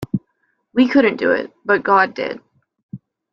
We couldn't do it, but God did.